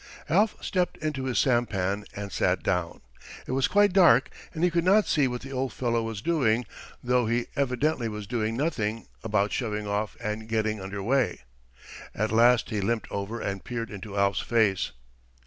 Alf stepped into his sampan and sat down. It was quite dark and he could not see what the old fellow was doing, though he evidently was doing nothing about shoving off and getting under way. At last he limped over and peered into Alf's face.